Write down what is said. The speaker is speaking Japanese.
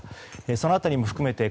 その辺りも含めて